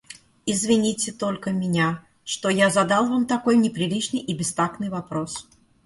Извините только меня, что я задал вам такой неприличный и бестактный вопрос.